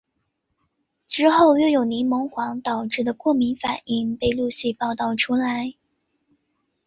之后又有柠檬黄导致的过敏反应被陆续报道出来。